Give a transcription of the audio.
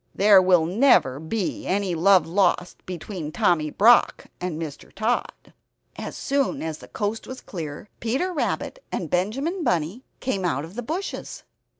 There will never be any love lost between Tommy Brock and Mr. Tod. As soon as the coast was clear, Peter Rabbit and Benjamin Bunny came out of the bushes.